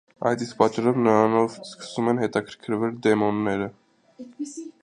Այդ իսկ պատճառով նրանով սկսում են հետաքրքրվել դեմոնները։